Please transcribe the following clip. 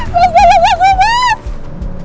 mas kalau bagaimana ahh